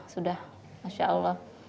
sudah masya allah